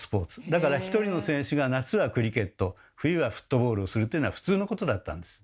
だから１人の選手が夏はクリケット冬はフットボールをするというのは普通のことだったんです。